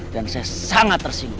dan saya sangat tersinggung